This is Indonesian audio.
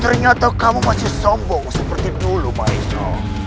ternyata kamu masih sombong seperti dulu maesno